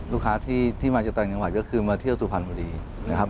ลูกค้าที่มาจากต่างจังหวัดก็คือมาเที่ยวสุพรรณบุรีนะครับ